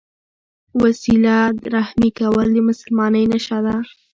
وسیله رحمي کول د مسلمانۍ نښه ده.